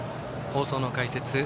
放送の解説